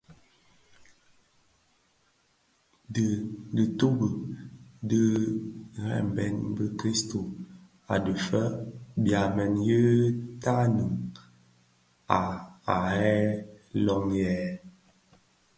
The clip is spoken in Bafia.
Dhitutubi di ka dhembèn bi- kristus a dhifeg byamèn yë tannum a bheg nloghèn.